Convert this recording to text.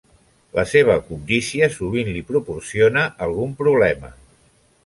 La seva cobdícia sovint li proporciona algun problema.